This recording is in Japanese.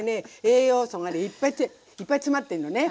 栄養素がねいっぱい詰まってんのね。